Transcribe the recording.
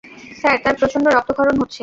Sir, তার প্রচন্ড রক্তক্ষরণ হচ্ছে।